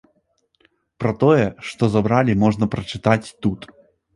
Пра тое, што забралі можна прачытаць тут.